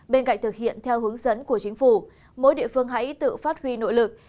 bên cạnh thực hiện theo hướng dẫn của chính phủ mỗi địa phương hãy tự phát huy nội lực